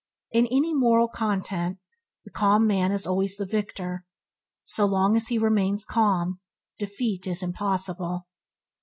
In any moral content the calm man is always the victor. So long as he remains calm, defeat is impossible.